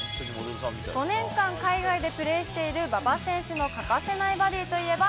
５年間海外でプレーしている馬場選手の欠かせないバディといえば、